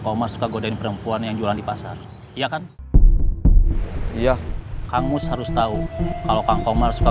koma suka godain perempuan yang jualan di pasar iya kan iya kangus harus tahu kalau kang komar suka